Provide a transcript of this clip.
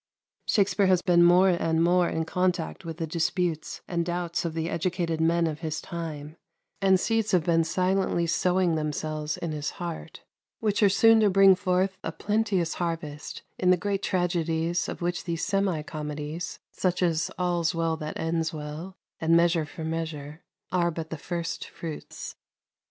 Shakspere has been more and more in contact with the disputes and doubts of the educated men of his time, and seeds have been silently sowing themselves in his heart, which are soon to bring forth a plenteous harvest in the great tragedies of which these semi comedies, such as "All's Well that Ends Well" and "Measure for Measure," are but the first fruits.